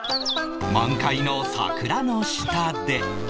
満開の桜の下で